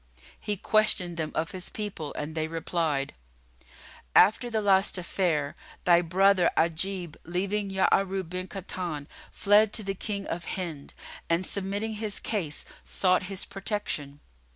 He questioned them of his people and they replied, "After the last affair, thy brother Ajib, leaving Ya'arub bin Kahtan, fled to the King of Hind and, submitting his case, sought his protection.